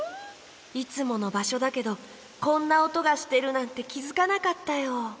いつものばしょだけどこんなおとがしてるなんてきづかなかったよ。